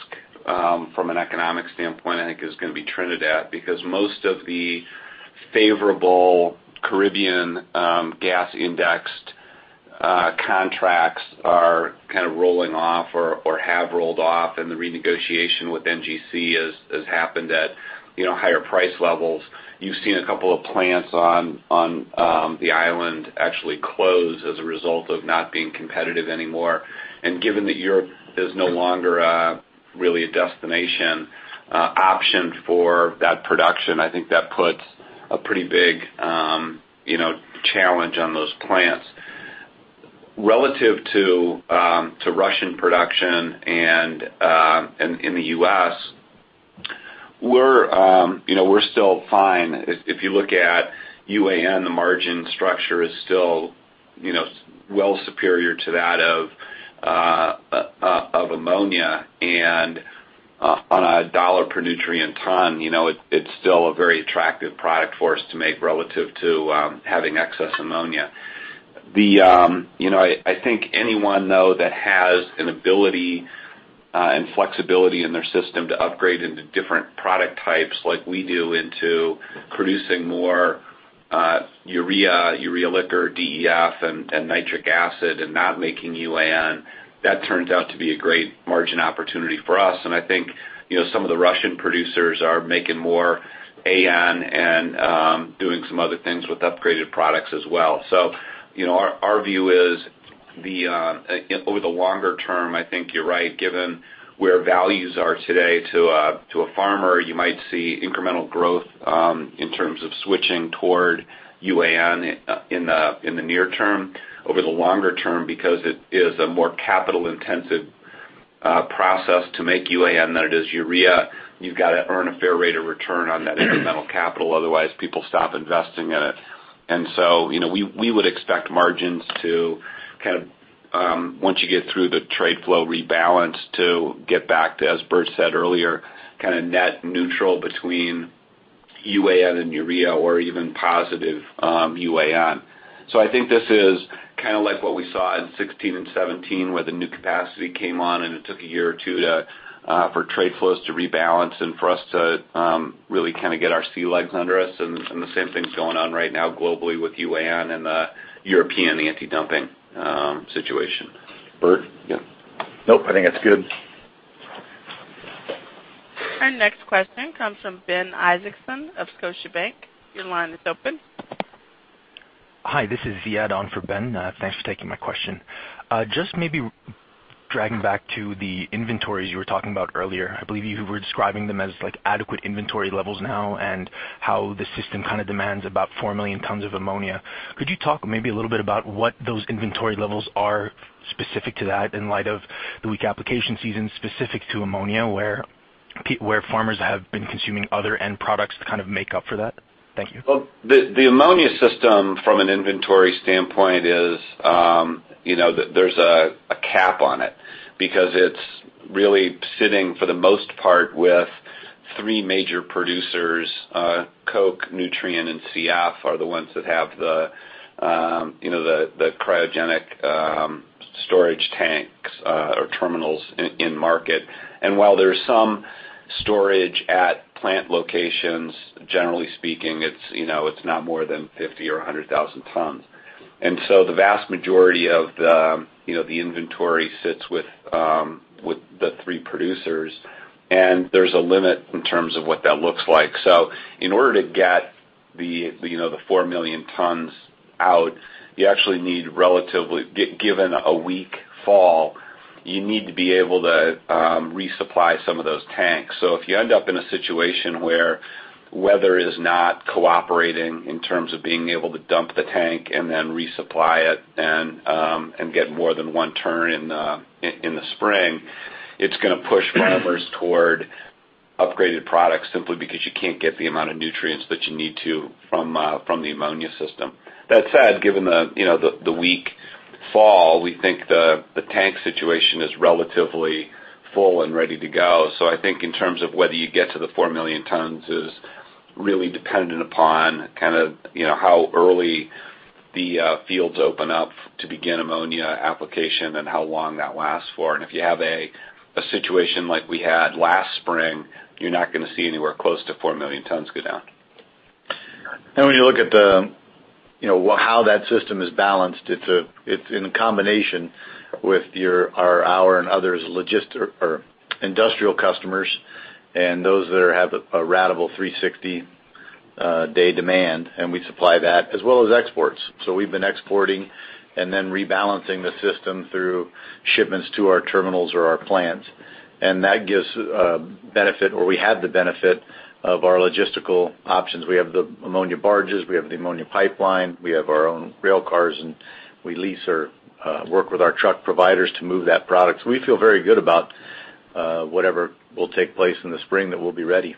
S3: from an economic standpoint, I think, is going to be Trinidad because most of the favorable Caribbean gas-indexed contracts are kind of rolling off or have rolled off and the renegotiation with NGC has happened at higher price levels. You've seen a couple of plants on the island actually close as a result of not being competitive anymore. Given that Europe is no longer really a destination option for that production, I think that puts a pretty big challenge on those plants. Relative to Russian production and in the U.S. We're still fine. If you look at UAN, the margin structure is still well superior to that of ammonia. On a dollar per nutrient ton, it's still a very attractive product for us to make relative to having excess ammonia. I think anyone though, that has an ability and flexibility in their system to upgrade into different product types like we do into producing more urea liquor, DEF, and nitric acid and not making UAN, that turns out to be a great margin opportunity for us. I think some of the Russian producers are making more AN and doing some other things with upgraded products as well. Our view is over the longer term, I think you're right, given where values are today to a farmer, you might see incremental growth in terms of switching toward UAN in the near term. Over the longer term, because it is a more capital intensive process to make UAN than it is urea, you've got to earn a fair rate of return on that incremental capital otherwise people stop investing in it. We would expect margins to kind of, once you get through the trade flow rebalance to get back to, as Bert said earlier, kind of net neutral between UAN and urea or even positive UAN. I think this is kind of like what we saw in 2016 and 2017 where the new capacity came on and it took a year or two for trade flows to rebalance and for us to really kind of get our sea legs under us and the same thing's going on right now globally with UAN and the European anti-dumping situation. Bert?
S4: Yep. Nope, I think that's good.
S1: Our next question comes from Ben Isaacson of Scotiabank. Your line is open.
S17: Hi, this is Ziad on for Ben. Thanks for taking my question. Just maybe dragging back to the inventories you were talking about earlier. I believe you were describing them as adequate inventory levels now and how the system kind of demands about 4 million tons of ammonia. Could you talk maybe a little bit about what those inventory levels are specific to that in light of the weak application season specific to ammonia, where farmers have been consuming other end products to kind of make up for that? Thank you.
S3: The ammonia system from an inventory standpoint is that there's a cap on it because it's really sitting, for the most part, with three major producers. Koch, Nutrien, and CF are the ones that have the cryogenic storage tanks or terminals in market. While there's some storage at plant locations, generally speaking, it's not more than 50 or 100,000 tons. The vast majority of the inventory sits with the three producers, and there's a limit in terms of what that looks like. In order to get the 4 million tons out, you actually need relatively, given a weak fall, you need to be able to resupply some of those tanks. If you end up in a situation where weather is not cooperating in terms of being able to dump the tank and then resupply it and get more than one turn in the spring, it's going to push farmers toward upgraded products simply because you can't get the amount of nutrients that you need to from the ammonia system. That said, given the weak fall, we think the tank situation is relatively full and ready to go. I think in terms of whether you get to the 4 million tons is really dependent upon kind of how early the fields open up to begin ammonia application and how long that lasts for. If you have a situation like we had last spring, you're not going to see anywhere close to 4 million tons go down.
S4: When you look at how that system is balanced, it's in combination with our and others' logistic or industrial customers and those that have a ratable 360-day demand, we supply that as well as exports. We've been exporting and then rebalancing the system through shipments to our terminals or our plants. That gives a benefit, or we had the benefit of our logistical options. We have the ammonia barges, we have the ammonia pipeline, we have our own rail cars, and we lease or work with our truck providers to move that product. We feel very good about whatever will take place in the spring that we'll be ready.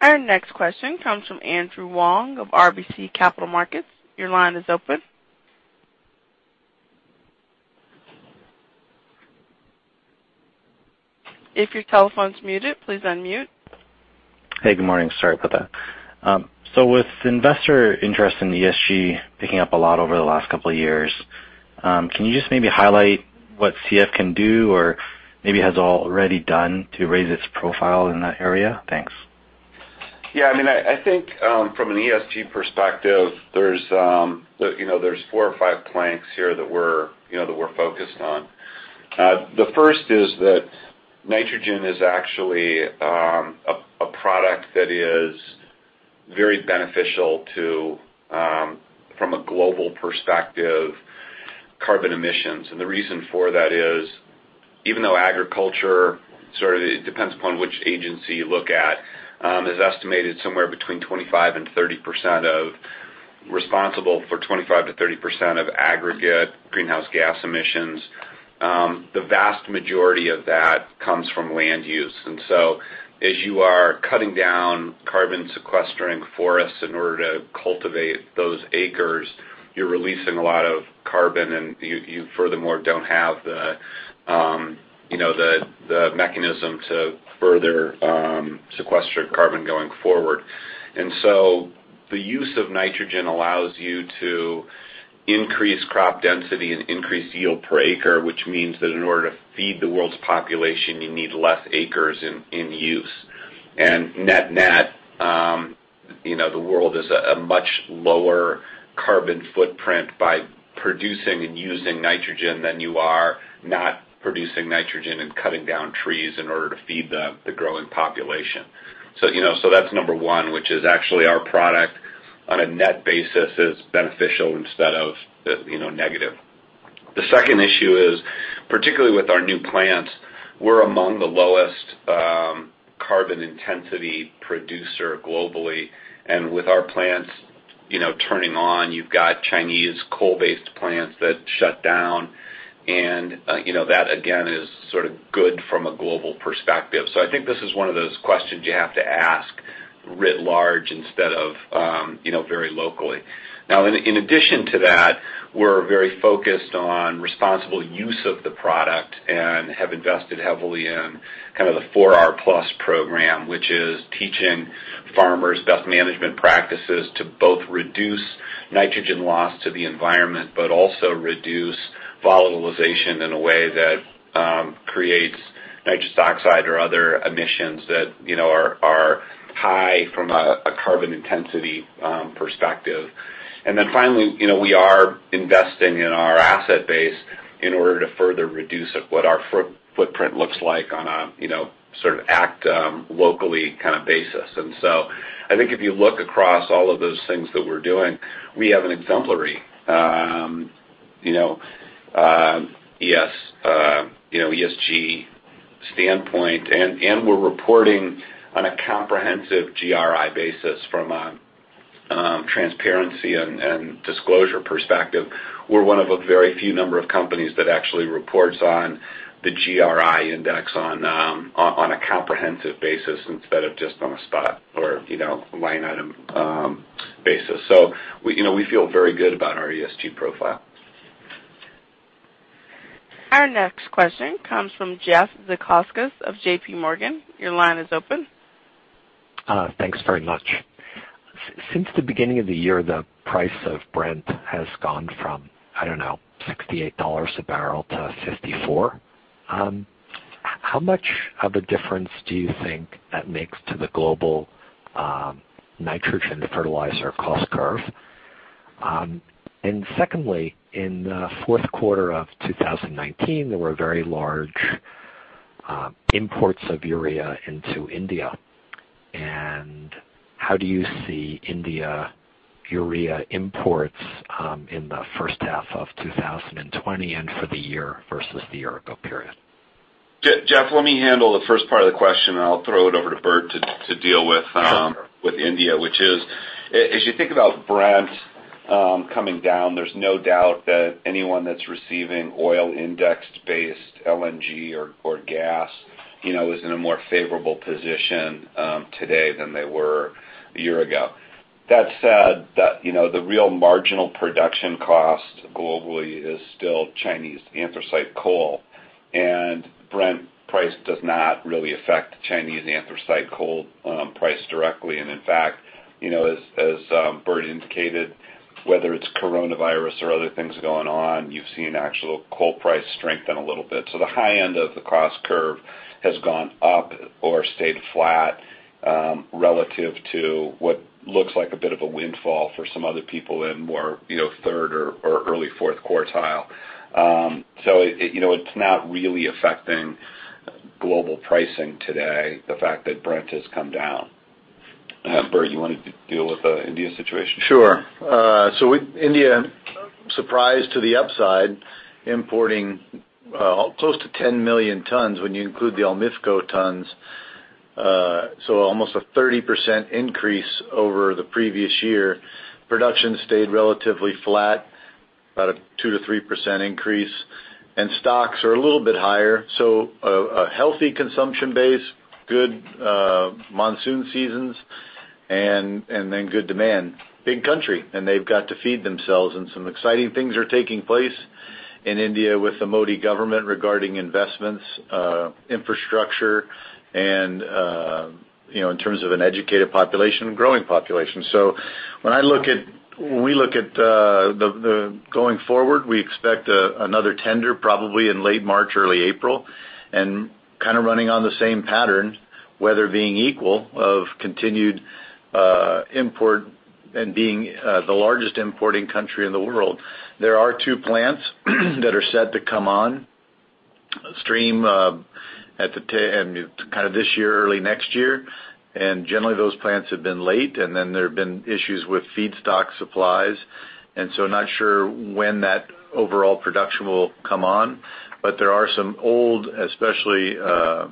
S1: Our next question comes from Andrew Wong of RBC Capital Markets. Your line is open. If your telephone's muted, please unmute.
S18: Hey, good morning. Sorry about that. With investor interest in ESG picking up a lot over the last couple of years, can you just maybe highlight what CF can do or maybe has already done to raise its profile in that area? Thanks.
S3: Yeah, I think from an ESG perspective, there's four or five planks here that we're focused on. The first is that nitrogen is actually a product that is very beneficial to, from a global perspective, carbon emissions. The reason for that is even though agriculture, sort of depends upon which agency you look at, is estimated somewhere between 25% and 30% of aggregate greenhouse gas emissions. The vast majority of that comes from land use. As you are cutting down carbon sequestering forests in order to cultivate those acres, you're releasing a lot of carbon and you furthermore don't have the mechanism to further sequester carbon going forward. The use of nitrogen allows you to increase crop density and increase yield per acre, which means that in order to feed the world's population, you need less acres in use. Net, the world is a much lower carbon footprint by producing and using nitrogen than you are not producing nitrogen and cutting down trees in order to feed the growing population. That's number one, which is actually our product on a net basis is beneficial instead of negative. The second issue is, particularly with our new plants, we're among the lowest carbon intensity producer globally. With our plants turning on, you've got Chinese coal-based plants that shut down, and that again is sort of good from a global perspective. I think this is one of those questions you have to ask writ large instead of very locally. In addition to that, we're very focused on responsible use of the product and have invested heavily in kind of the 4R Plus program, which is teaching farmers best management practices to both reduce nitrogen loss to the environment, but also reduce volatilization in a way that creates nitrous oxide or other emissions that are high from a carbon intensity perspective. Finally, we are investing in our asset base in order to further reduce what our footprint looks like on a sort of act locally kind of basis. I think if you look across all of those things that we're doing, we have an exemplary ESG standpoint, and we're reporting on a comprehensive GRI basis from a transparency and disclosure perspective. We're one of a very few number of companies that actually reports on the GRI index on a comprehensive basis instead of just on a spot or line item basis. We feel very good about our ESG profile.
S1: Our next question comes from Jeff Zekauskas of JPMorgan. Your line is open.
S19: Thanks very much. Since the beginning of the year, the price of Brent has gone from, I don't know, $68 a barrel to $54. How much of a difference do you think that makes to the global nitrogen to fertilizer cost curve? Secondly, in the fourth quarter of 2019, there were very large imports of urea into India. How do you see India urea imports in the first half of 2020 and for the year versus the year ago period?
S3: Jeff, let me handle the first part of the question, and I'll throw it over to Bert to deal with.
S19: Sure
S3: India, which is, as you think about Brent coming down, there's no doubt that anyone that's receiving oil indexed based LNG or gas is in a more favorable position today than they were a year ago. The real marginal production cost globally is still Chinese anthracite coal. Brent price does not really affect Chinese anthracite coal price directly. In fact, as Bert indicated, whether it's coronavirus or other things going on, you've seen actual coal price strengthen a little bit. The high end of the cost curve has gone up or stayed flat relative to what looks like a bit of a windfall for some other people in more third or early fourth quartile. It's not really affecting global pricing today, the fact that Brent has come down. Bert, you want to deal with the India situation?
S4: Sure. With India, surprise to the upside, importing close to 10 million tons when you include the OMIFCO tons. Almost a 30% increase over the previous year. Production stayed relatively flat, about a 2%-3% increase, and stocks are a little bit higher. A healthy consumption base, good monsoon seasons, and good demand. Big country. They've got to feed themselves. Some exciting things are taking place in India with the Modi government regarding investments, infrastructure, and in terms of an educated population and growing population. When we look at going forward, we expect another tender probably in late March, early April, and kind of running on the same pattern, weather being equal, of continued import and being the largest importing country in the world. There are two plants that are set to come on stream this year, early next year. Generally those plants have been late, then there have been issues with feedstock supplies, not sure when that overall production will come on. There are some old, especially the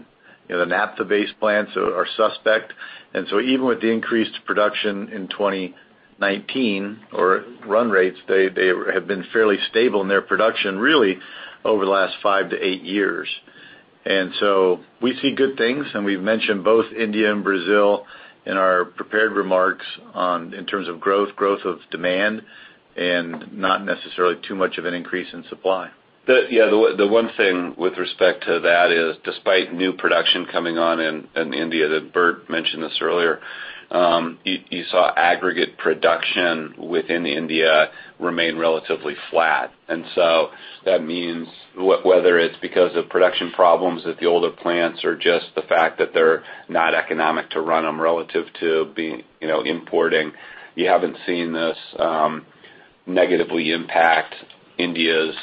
S4: naphtha-based plants are suspect. Even with the increased production in 2019 or run rates, they have been fairly stable in their production, really over the last 5 to 8 years. We see good things, we've mentioned both India and Brazil in our prepared remarks in terms of growth of demand, not necessarily too much of an increase in supply.
S3: Yeah. The one thing with respect to that is despite new production coming on in India, that Bert mentioned this earlier, you saw aggregate production within India remain relatively flat. That means whether it's because of production problems at the older plants or just the fact that they're not economic to run them relative to importing, you haven't seen this negatively impact India's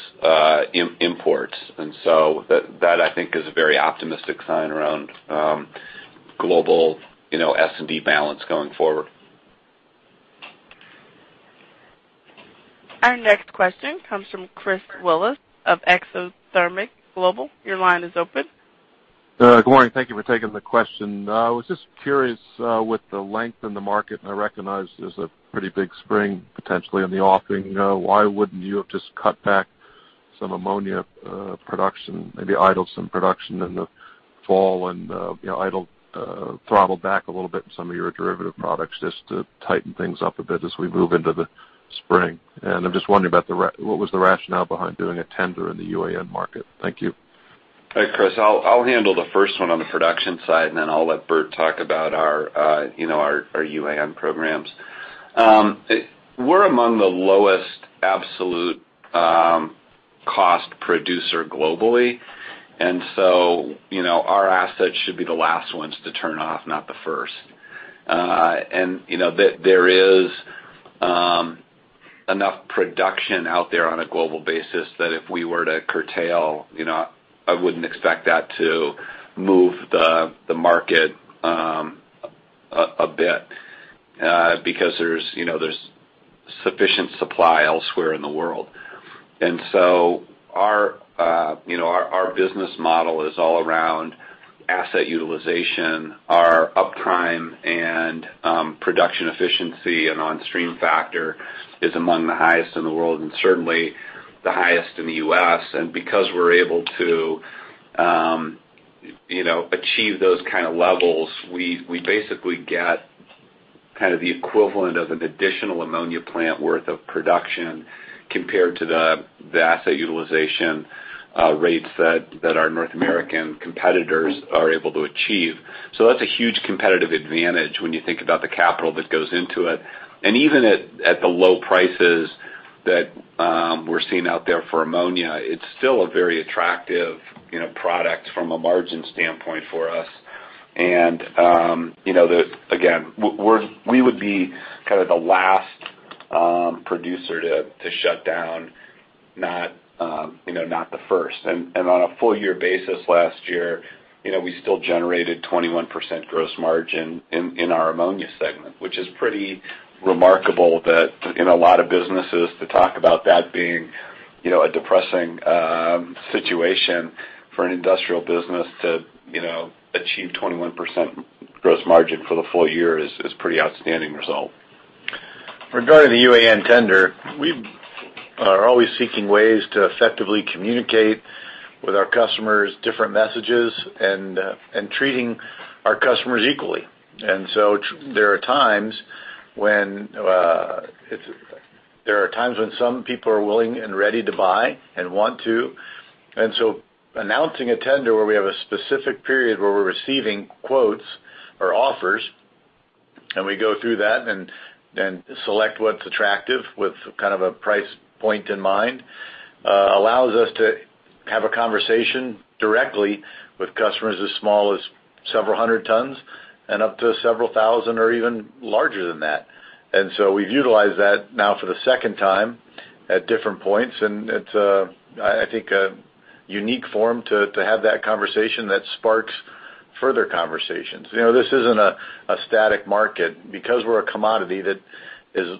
S3: imports. That, I think, is a very optimistic sign around global S&D balance going forward.
S1: Our next question comes from Chris Willis of Exothermic Global. Your line is open.
S20: Good morning. Thank you for taking the question. I was just curious, with the length in the market, and I recognize there's a pretty big spring potentially in the offing, why wouldn't you have just cut back some ammonia production, maybe idle some production in the fall and throttle back a little bit in some of your derivative products just to tighten things up a bit as we move into the spring? I'm just wondering about what was the rationale behind doing a tender in the UAN market? Thank you.
S3: Hey, Chris. I'll handle the first one on the production side, and then I'll let Bert talk about our UAN programs. We're among the lowest absolute cost producer globally, and so our assets should be the last ones to turn off, not the first. There is enough production out there on a global basis that if we were to curtail, I wouldn't expect that to move the market a bit because there's sufficient supply elsewhere in the world. Our business model is all around asset utilization. Our uptime and production efficiency and on-stream factor is among the highest in the world and certainly the highest in the U.S because we're able to achieve those kind of levels, we basically get kind of the equivalent of an additional ammonia plant worth of production compared to the asset utilization rates that our North American competitors are able to achieve. That's a huge competitive advantage when you think about the capital that goes into it. Even at the low prices that we're seeing out there for ammonia, it's still a very attractive product from a margin standpoint for us. Again, we would be the last producer to shut down, not the first. On a full year basis last year, we still generated 21% gross margin in our ammonia segment, which is pretty remarkable that in a lot of businesses to talk about that being a depressing situation for an industrial business to achieve 21% gross margin for the full year is pretty outstanding result.
S4: Regarding the UAN tender, we are always seeking ways to effectively communicate with our customers different messages and treating our customers equally. There are times when some people are willing and ready to buy and want to. Announcing a tender where we have a specific period where we're receiving quotes or offers, and we go through that and select what's attractive with kind of a price point in mind allows us to have a conversation directly with customers as small as several hundred tons and up to several thousand or even larger than that. We've utilized that now for the second time at different points, and it's, I think, a unique form to have that conversation that sparks further conversations. This isn't a static market. We're a commodity that is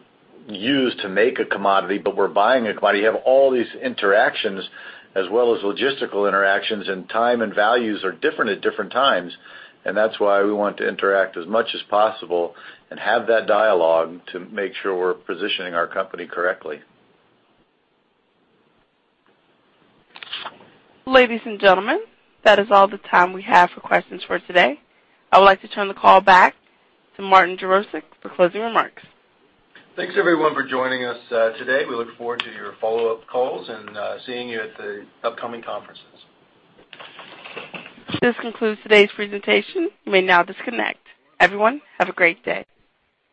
S4: used to make a commodity, but we're buying a commodity, you have all these interactions as well as logistical interactions, and time and values are different at different times. That's why we want to interact as much as possible and have that dialogue to make sure we're positioning our company correctly.
S1: Ladies and gentlemen, that is all the time we have for questions for today. I would like to turn the call back to Martin Jarosick for closing remarks.
S2: Thanks, everyone, for joining us today. We look forward to your follow-up calls and seeing you at the upcoming conferences.
S1: This concludes today's presentation. You may now disconnect. Everyone, have a great day.